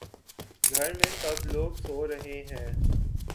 گھر میں سب لوگ سو رہے ہیں